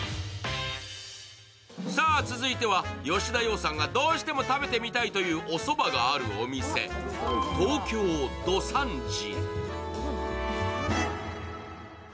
さあ、続いては吉田羊さんがどうしても食べてみたいというおそばがあるお店、東京土山人。